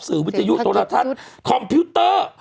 วิทยุโทรทัศน์คอมพิวเตอร์